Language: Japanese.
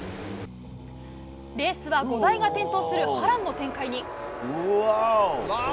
レースは５台が転倒する波乱の展開に。